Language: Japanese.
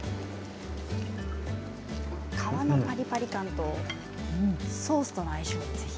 皮のパリパリ感とソースの相性をぜひ。